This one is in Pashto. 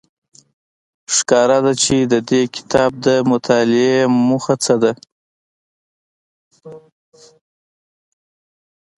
ښکاره ده چې د دې کتاب د مطالعې موخه څه ده.